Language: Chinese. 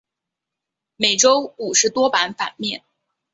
每周五十多版版面。